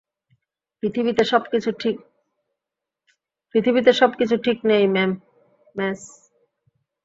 পৃথিবীতে সবকিছু ঠিক নেই, মেস।